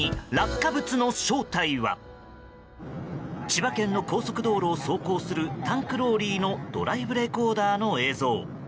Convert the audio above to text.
千葉県の高速道路を走行中のタンクローリーのドライブレコーダーの映像。